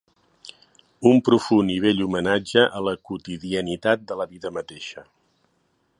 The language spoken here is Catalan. Un profund i bell homenatge a la quotidianitat de la vida mateixa.